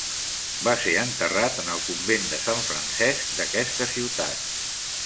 Va ser enterrat en el convent de Sant Francesc d'aquesta ciutat.